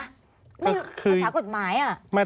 ไม่รักภาษากฎหมาย